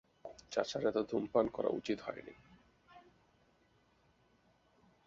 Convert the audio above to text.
চাচার এত ধূমপান করা উচিত হয়নি।